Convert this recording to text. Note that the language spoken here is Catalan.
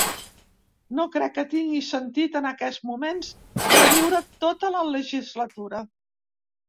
No crec que tingui sentit en aquest moment reviure tota la legislatura.